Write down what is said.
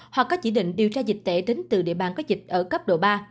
hoặc có chỉ định điều tra dịch tễ tính từ địa bàn có dịch ở cấp độ ba